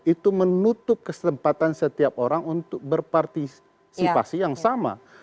itu menutup kesempatan setiap orang untuk berpartisipasi yang sama